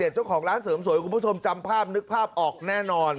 เจ้าของร้านเสริมสวยคุณผู้ชมจำภาพนึกภาพออกแน่นอน